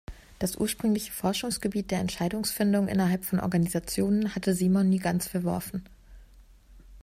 Das ursprüngliche Forschungsgebiet der Entscheidungsfindung innerhalb von Organisationen hatte Simon nie ganz verworfen.